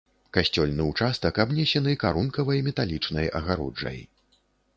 Касцёльны ўчастак абнесены карункавай металічнай агароджай.